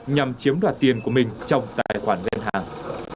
nhằm chiếm đoạt tiền của mình trong tài khoản ngân hàng